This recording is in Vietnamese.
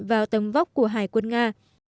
vào tầm vóc của hải quân nga